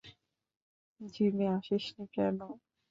জিমে আসিসনি কেন?